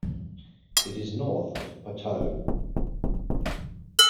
It is north of Poteau.